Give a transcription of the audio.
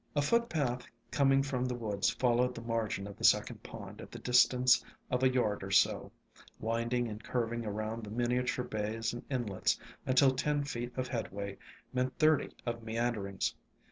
A foot path coming from the woods followed the margin of the second pond at the distance of a yard or so, winding and curving around the minia ture bays and inlets until ten feet of headway meant thirty of meanderings.